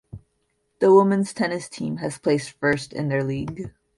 The women's tennis team has placed first in their league.